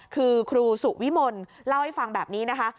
คือครูสุวิมลเล่าให้ฟังแบบนี้นะคะ